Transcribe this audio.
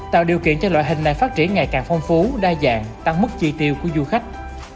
tạo điều kiện cho loại hình này phát triển ngày càng phong phú đa dạng tăng mức chi tiêu của du khách